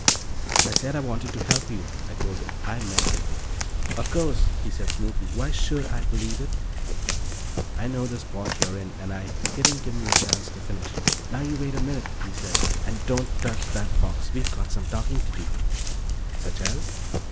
"I said I wanted to help you," I told him. "I meant it." "Of course," he said smoothly. "Why should I believe it?" "I know the spot you're in, and I " He didn't give me a chance to finish. "Now, you wait a minute," he said. "And don't touch that box. We've got some talking to do." "Such as?"